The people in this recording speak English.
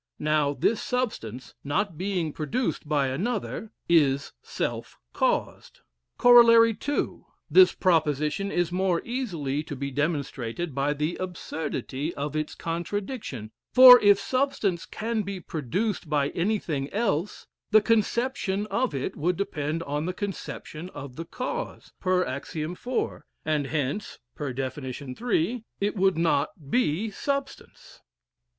Now, this substance, not being produced by another, is self caused. Corollary 2. This proposition is more easily to be demonstrated by the absurdity of its contradiction; for if substance can be produced by anything else, the conception of it would depend on the conception of the cause (per axiom four,) and hence (per def. three,) it would not be substance.